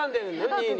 ２位に。